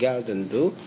paling legal tentu